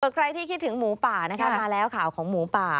ใครที่คิดถึงหมูป่านะคะมาแล้วข่าวของหมูป่า